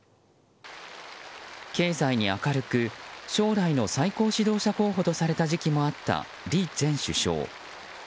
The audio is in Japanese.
経済に明るく将来の最高指導者候補とされた時期もあった李前首相。